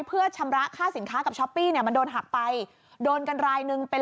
เพื่อชำระค่าสินค้ากับช้อปปี้เนี่ยมันโดนหักไปโดนกันรายหนึ่งเป็น